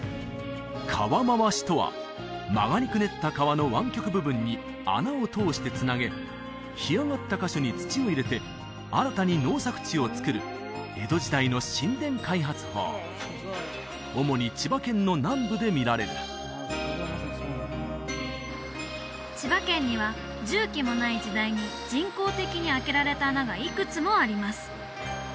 川廻しとは曲がりくねった川の湾曲部分に穴を通してつなげ干上がった箇所に土を入れて新たに農作地をつくる江戸時代の新田開発法主に千葉県の南部で見られる千葉県には重機もない時代に人工的に開けられた穴がいくつもあります